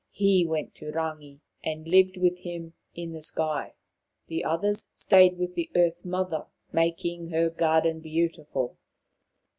He went to Rangi, and lived with him in the sky. The others stayed with the Earth mother, making her garden beautiful.